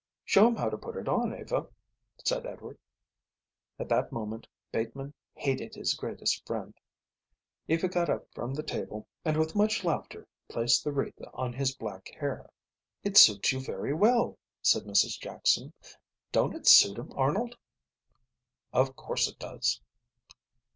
"Show him how to put it on, Eva," said Edward. At that moment Bateman hated his greatest friend. Eva got up from the table and with much laughter placed the wreath on his black hair. "It suits you very well," said Mrs Jackson. "Don't it suit him, Arnold?" "Of course it does."